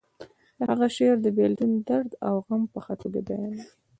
د هغه شعر د بیلتون درد او غم په ښه توګه بیانوي